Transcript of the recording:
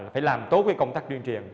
phải làm tốt công tác truyền truyền